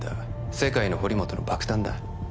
世界の堀本の爆誕だ